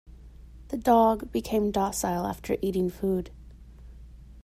The dog became docile after eating food.